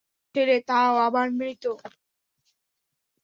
ভারতের ছেলে তাও আবার মৃত।